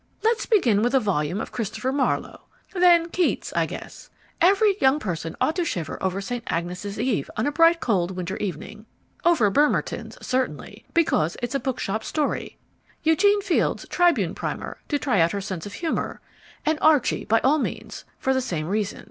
Let's begin with a volume of Christopher Marlowe. Then Keats, I guess: every young person ought to shiver over St. Agnes' Eve on a bright cold winter evening. Over Bemerton's, certainly, because it's a bookshop story. Eugene Field's Tribune Primer to try out her sense of humour. And Archy, by all means, for the same reason.